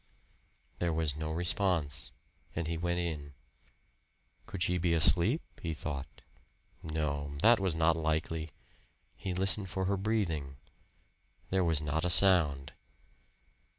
There was no response, and he went in. Could she be asleep? he thought. No that was not likely. He listened for her breathing. There was not a sound.